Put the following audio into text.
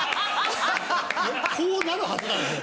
こうなるはずなんですよ。